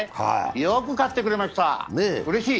よく勝ってくれました、うれしい！